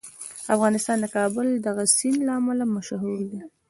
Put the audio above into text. افغانستان د کابل د دغه سیند له امله مشهور دی.